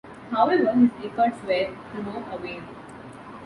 However, his efforts were to no avail.